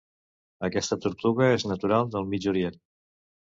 Aquesta tortuga és natural del Mig Orient.